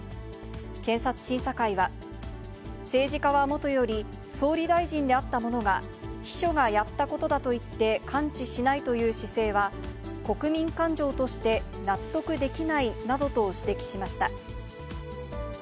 検察審査会は、政治家はもとより、総理大臣であった者が、秘書がやったことだと言って関知しないという姿勢は、国民感情として納得できないなどと指摘しました。